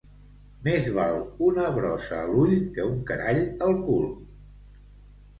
Més val una brossa a l'ull que un carall al cul.